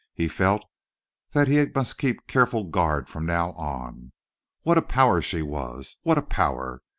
He felt that he must keep careful guard from now on. What a power she was. What a power!